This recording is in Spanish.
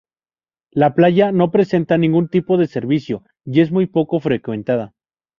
La playa no presenta ningún tipo de servicio y es muy poco frecuentada.